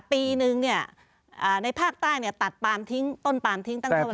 ปีหนึ่งในภาคใต้ตัดปาล์มทิ้งต้นปาล์มทิ้งตั้งเท่าไหร่